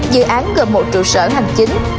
dự án gồm một trụ sở hành chính